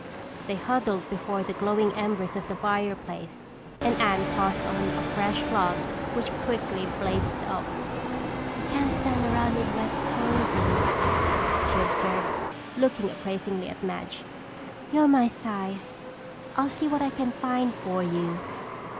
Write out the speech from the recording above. They huddled before the glowing embers of the fireplace and Anne tossed on a fresh log which quickly blazed up. "We can't stand around in wet clothing," she observed, looking appraisingly at Madge. "You're my size. I'll see what I can find for you."